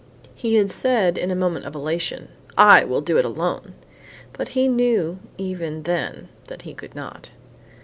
He had said in a moment of elation, "I will do it alone;" but he knew even then that he could not.